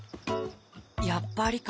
やっぱりか。